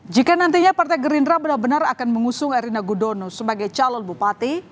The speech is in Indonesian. jika nantinya partai gerindra benar benar akan mengusung erina gudono sebagai calon bupati